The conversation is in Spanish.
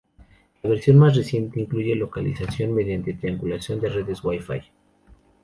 La versión más reciente incluye localización mediante triangulación de redes wifi.